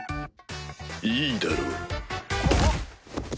いいだろう。